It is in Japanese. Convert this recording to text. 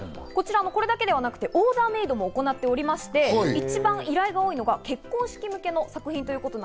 こちら、これだけではなくてオーダーメードも行っておりまして、一番、依頼が多いのが結婚式向けの作品。